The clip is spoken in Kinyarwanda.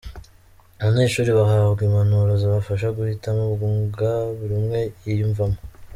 Abanyeshuli bahabwa impanuro zabafasha guhitamo umwuga buri umwe yiyumvamo.